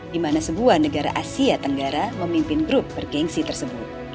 di mana sebuah negara asia tenggara memimpin grup bergensi tersebut